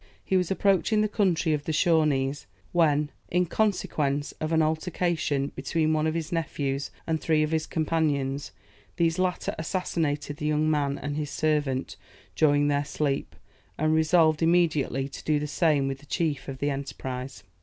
He was approaching the country of the Shawnees, when, in consequence of an altercation between one of his nephews and three of his companions, these latter assassinated the young man and his servant during their sleep, and resolved immediately to do the same with the chief of the enterprise.